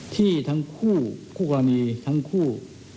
ที่ทั้งคู่คู่กรณีทั้งคู่